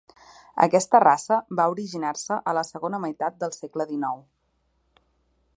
Aquesta raça va originar-se a la segona meitat del segle XIX.